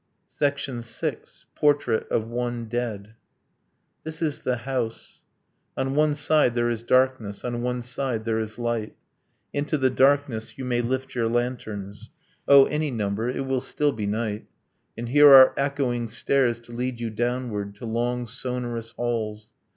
VI. PORTRAIT OF ONE DEAD This is the house. On one side there is darkness, On one side there is light. Into the darkness you may lift your lanterns O, any number it will still be night. And here are echoing stairs to lead you downward To long sonorous halls.